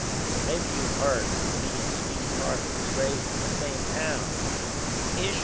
Maybe you've heard that me and Speed Parker was raised in the same town Ishpeming, Michigan.